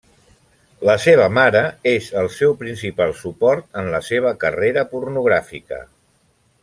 La seva mare és el seu principal suport en la seva carrera pornogràfica.